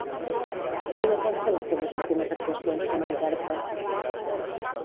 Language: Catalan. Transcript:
Quines van ser les seves últimes actuacions com a intèrpret?